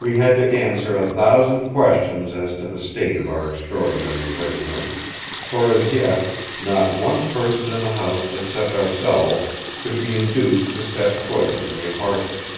We had to answer a thousand questions as to the state of our extraordinary prisoner, for as yet not one person in the house except ourselves could be induced to set foot in the apartment.